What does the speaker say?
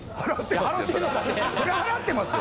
そりゃ払ってますよ。